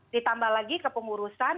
ditambah lagi ke pengurusan